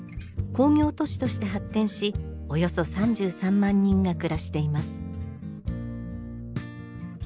工業都市として発展しおよそ３３万人が暮らしています。